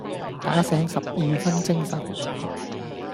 打醒十二分精神